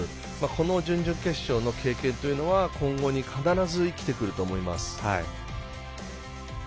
この準々決勝の経験は今後に必ず生きてくると思います。